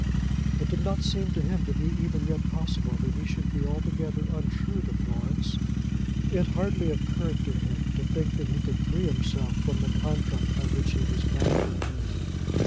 It did not seem to him to be even yet possible that he should be altogether untrue to Florence. It hardly occurred to him to think that he could free himself from the contract by which he was bound to her.